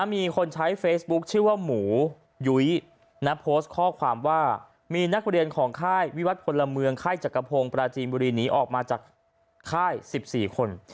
มีคนใช้เฟซบุ๊คชื่อว่าหมูยุ้ยโพสต์ข้อความว่ามีนักเรียนของค่ายวิวัตรพลเมืองค่ายจักรพงศ์ปราจีนบุรีหนีออกมาจากค่าย๑๔คน